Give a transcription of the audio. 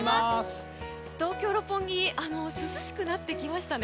東京・六本木涼しくなってきましたね。